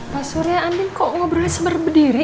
pak surya andin kok ngobrolnya sama berdiri